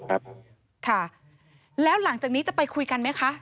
ครับค่ะแล้วหลังจากนี้จะไปคุยกันไหมคะ